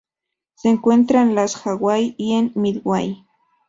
Se encuentra en las Hawái y en Midway.